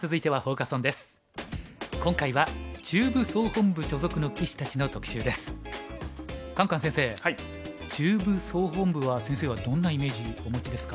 カンカン先生中部総本部は先生はどんなイメージお持ちですか？